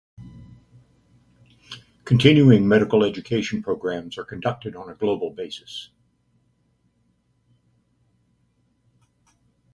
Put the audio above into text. Continuing medical education programs are conducted on a global basis.